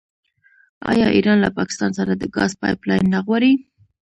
آیا ایران له پاکستان سره د ګاز پایپ لاین نه غواړي؟